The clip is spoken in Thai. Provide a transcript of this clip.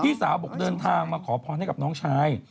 พี่สาวบอกเดินทางมาขอพรให้กับน้องชาย